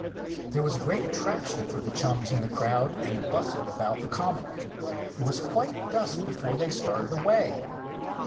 There was a great attraction for the chums in the crowd and bustle about the common. It was quite dusk before they started away.